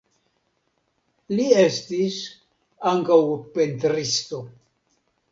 Li estis ankaŭ pentristo.